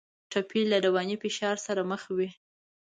ټپي له رواني فشار سره مخ وي.